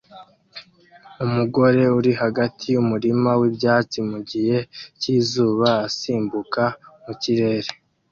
Umugore uri hagati yumurima wibyatsi mugihe cyizuba asimbuka mukirere